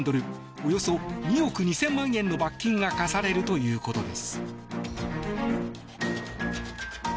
およそ２億２０００万円の罰金が科されるということです。